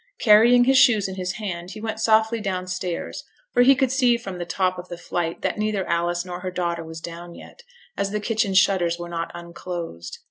Carrying his shoes in his hand, he went softly downstairs for he could see from the top of the flight that neither Alice nor her daughter was down yet, as the kitchen shutters were not unclosed.